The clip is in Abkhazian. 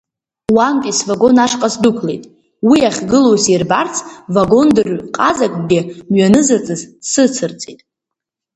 Уантәи свагон ашҟа сдәықәлеит, уи ахьгылоу сирбарц вагондырҩ-ҟазакгьы мҩанызаҵыс дсыцырҵеит.